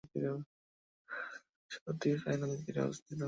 শহরটি "সাই" নদীর তীরে অবস্থিত।